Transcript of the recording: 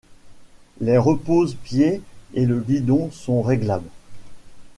Les reposes-pieds et le guidon sont réglables.